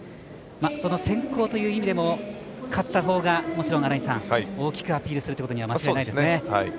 その選考という意味でも勝ったほうが、もちろん大きくアピールするということは間違いないですね。